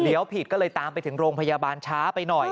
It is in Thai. เดี๋ยวผิดก็เลยตามไปถึงโรงพยาบาลช้าไปหน่อย